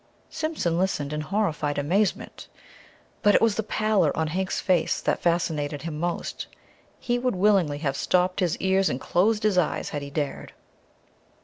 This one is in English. Simpson listened in horrified amazement; but it was the pallor on Hank's face that fascinated him most. He would willingly have stopped his ears and closed his eyes, had he dared.